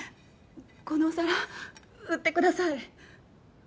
このお皿売ってください。